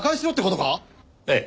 ええ。